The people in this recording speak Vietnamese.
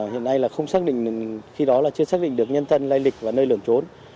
hiện nay là không xác định khi đó là chưa xác định được nhân thân lây lịch và nơi lẩn trốn